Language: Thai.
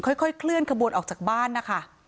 ค่อยเคลื่อนขบวนออกจากบ้านนะคะ